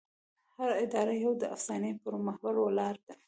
هره اداره د یوې افسانې پر محور ولاړه ده.